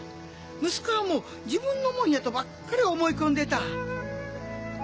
息子はもう自分のもんやとばっかり思い込んでた。